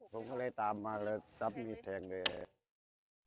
ผมก็เลยตามมาแล้วจับมีแทงเลย